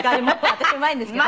私うまいんですけど。